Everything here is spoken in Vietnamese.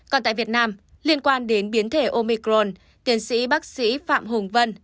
còn tại việt nam liên quan đến biến thể omicron tiến sĩ bác sĩ phạm hùng vân